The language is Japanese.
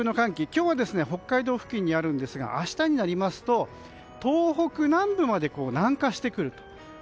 今日は北海道付近にあるんですが明日になりますと東北南部まで南下してくると。